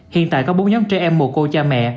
hiện tại có bốn nhóm trẻ em mù cô cha mẹ